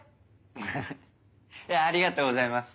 フフフいやありがとうございます。